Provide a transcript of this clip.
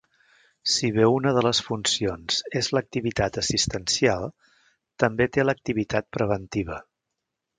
Si bé una de les funcions és l'activitat assistencial, també té l'activitat preventiva.